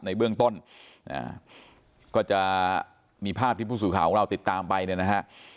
ในเบื้องต้นก็จะมีภาพที่ผู้สื่อข่าวของเราติดตามไปเนี่ยนะฮะ